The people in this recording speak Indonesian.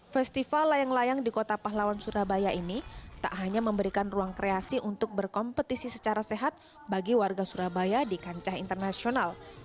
festival layang layang di kota pahlawan surabaya ini tak hanya memberikan ruang kreasi untuk berkompetisi secara sehat bagi warga surabaya di kancah internasional